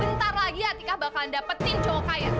bentar lagi atika bakalan dapetin cowok kaya